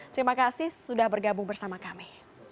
terima kasih sudah bergabung bersama kami